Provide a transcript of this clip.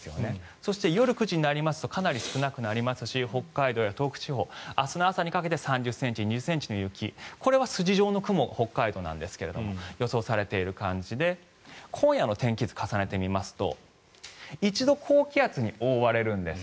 そして、夜９時になりますとかなり少なくなりますし北海道や東北地方明日の朝にかけて３０ｃｍ、２０ｃｍの雪これは筋状の雲、北海道ですが予想されている感じで今夜の天気図を重ねてみますと一度、高気圧に覆われるんです。